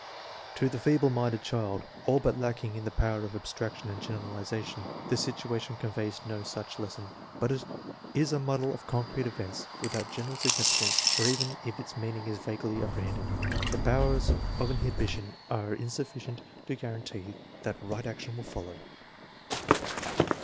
To the feeble minded child, all but lacking in the power of abstraction and generalization, the situation conveys no such lesson. It is but a muddle of concrete events without general significance; or even if its meaning is vaguely appre hended, the powers of inhibition are insufficient to guaran tee that right action will follow.